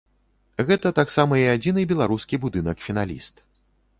Гэта таксама і адзіны беларускі будынак-фіналіст.